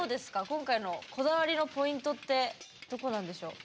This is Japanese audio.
今回のこだわりのポイントってどこなんでしょう。